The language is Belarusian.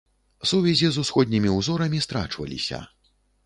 Сувязі з усходнімі ўзорамі страчваліся.